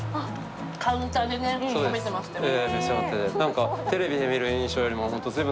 カウンターで食べてましたよね。